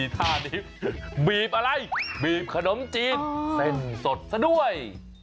ท่านี้บีบอะไรบีบขนมจีนเส้นสดซะด้วย